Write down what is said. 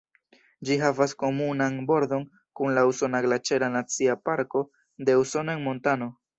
Ĝi havas komunan bordon kun la usona Glaĉera Nacia Parko de Usono en Montano.